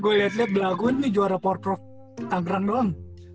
gue liat liat belakuan nih juara power prof tangkran doang